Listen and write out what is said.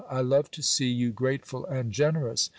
I love to see you grateful and generous.